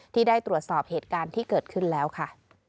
ที่ได้ตรวจสอบเหตุการณ์ที่เกิดขึ้นแล้วค่ะ